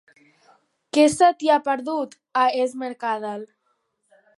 Què se t'hi ha perdut, a Es Mercadal?